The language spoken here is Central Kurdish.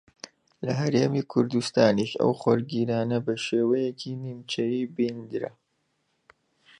لە ھەرێمی کوردستانیش ئەو خۆرگیرانە بە شێوەیەکی نیمچەیی بیندرا